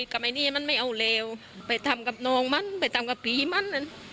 กับไอ้นี่มันไม่เอาเลวไปทำกับน้องมันไปทำกับผีมัน